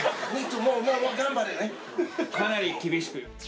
かなり厳しく。